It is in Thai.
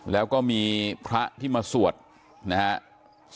แล้วก็มีพระที่มาสวดนะครับ